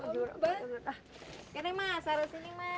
oke mbak saro sini mbak